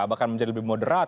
bahkan menjadi lebih moderat